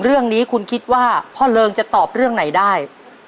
เรื่องนี้คุณคิดว่าพ่อเริงจะตอบเรื่องไหนได้